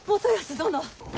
殿！